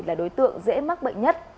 là đối tượng dễ mắc bệnh nhất